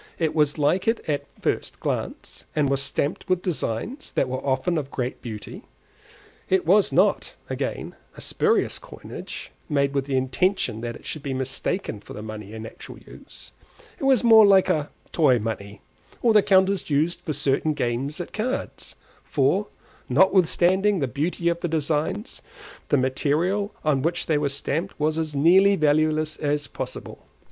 It was like it at a first glance, and was stamped with designs that were often of great beauty; it was not, again, a spurious coinage, made with the intention that it should be mistaken for the money in actual use; it was more like a toy money, or the counters used for certain games at cards; for, notwithstanding the beauty of the designs, the material on which they were stamped was as nearly valueless as possible.